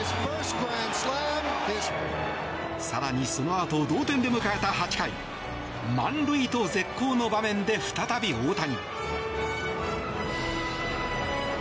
更に、そのあと同点で迎えた８回満塁と絶好の場面で再び大谷。